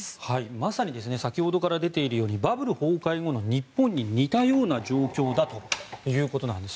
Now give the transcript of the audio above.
まさに先ほどから出ているようにバブル崩壊後の日本に似たような状況だということなんです。